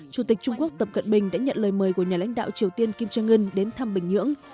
chủ tịch trung quốc tập cận bình đã nhận lời mời của nhà lãnh đạo triều tiên kim jong un đến thăm bình nhưỡng